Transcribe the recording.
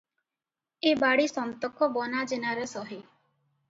ଏ ବାଡ଼ି ସନ୍ତକ ବନା ଜେନାର ସହି ।